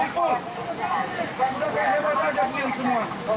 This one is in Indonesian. kita kayak hebat aja punya semua